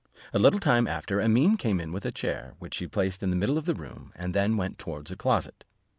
A little time after, Amene came in with a chair, which she placed in the middle of the room; and then went towards a closet.